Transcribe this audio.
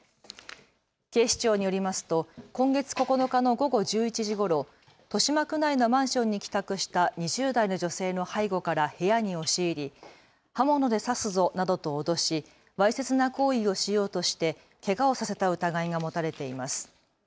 警視庁によりますと今月９日の午後１１時ごろ豊島区内のマンションに帰宅した２０代の女性の背後から部屋に押し入り、刃物で刺すぞなどと脅しわいせつな行為をしようとしてけがをさせた疑いが持たれています。